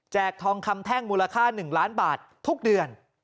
ทองคำแท่งมูลค่า๑ล้านบาททุกเดือน